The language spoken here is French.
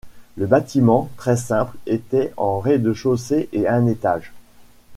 Le bâtiment, très simple, était en rez-de-chaussée et un étage.